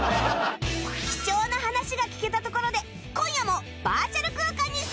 貴重な話が聞けたところで今夜もバーチャル空間に潜入！